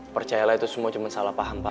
percayalah itu semua cuma salah paham pak